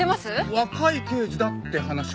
若い刑事だって話は。